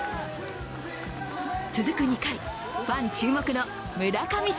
続く２回、ファン注目の村神様